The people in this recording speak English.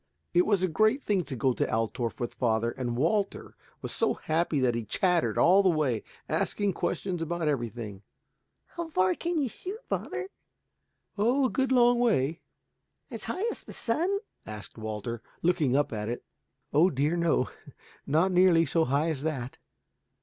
It was a great thing to go to Altorf with father, and Walter was so happy that he chattered all the way, asking questions about everything. "How far can you shoot, father?" "Oh, a good long way." "As high as the sun?" asked Walter, looking up at it. "Oh dear, no, not nearly so high as that."